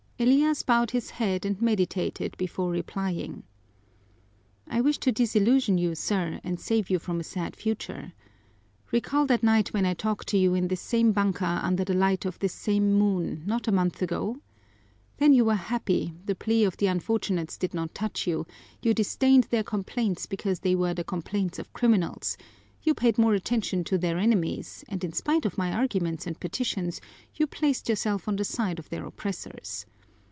Elias bowed his head and meditated before replying. "I wish to disillusion you, sir, and save you from a sad future. Recall that night when I talked to you in this same banka under the light of this same moon, not a month ago. Then you were happy, the plea of the unfortunates did not touch you; you disdained their complaints because they were the complaints of criminals; you paid more attention to their enemies, and in spite of my arguments and petitions, you placed yourself on the side of their oppressors.